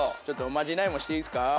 ちょっとおまじないもしていいですか？